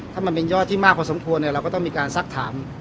ถ้ามันเป็นยอดที่มากพอสมควรเราก็ต้องมีการซักถาม